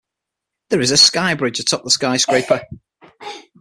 There is a skybridge atop the skyscraper.